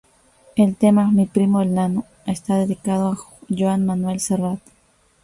El tema "Mi primo el Nano" está dedicado a Joan Manuel Serrat.